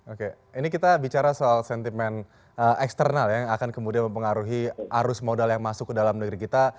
oke ini kita bicara soal sentimen eksternal yang akan kemudian mempengaruhi arus modal yang masuk ke dalam negeri kita